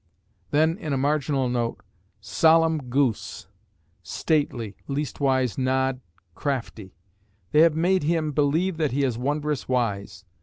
... Then in a marginal note "Solemn goose. Stately, leastwise nodd (?) crafty. They have made him believe that he is wondrous wise."